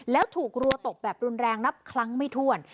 แล้วถูกรัวตกแบบรุนแรงนับครั้งไม่ถ้วน